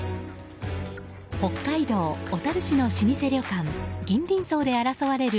北海道小樽市の老舗旅館銀鱗荘で争われる